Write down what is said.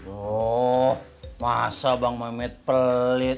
oh masa bang mehmet belit